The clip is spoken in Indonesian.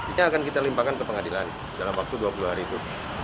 itu akan kita limpahkan ke pengadilan dalam waktu dua puluh hari itu